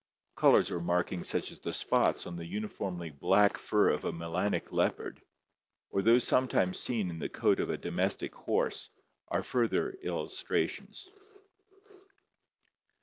Colors or markings such as the spots on the uniformly black fur of a melanic leopard (see below), or those sometimes seen in the coat of a domestic horse are further illustrations.